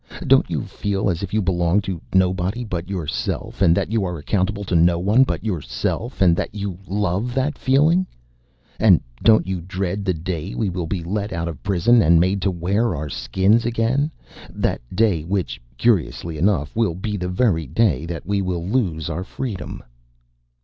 "Don't you feel as if you belong to nobody but yourself, that you are accountable to no one but yourself, and that you love that feeling? And don't you dread the day we will be let out of prison and made to wear our Skins again? That day which, curiously enough, will be the very day that we will lose our freedom."